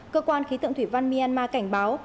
cơ quan khí tượng thủy văn myanmar cảnh báo